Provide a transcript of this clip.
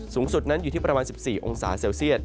สูงสุดนั้นอยู่ที่ประมาณ๑๔องศาเซลเซียต